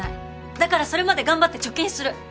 だからそれまで頑張って貯金する。